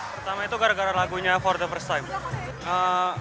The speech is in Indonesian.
pertama itu gara gara lagunya for the first time